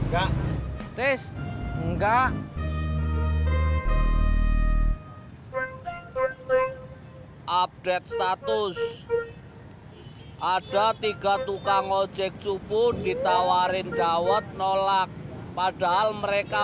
hai update status ada tiga tukang ojek cupu ditawarin dawet nolak padahal mereka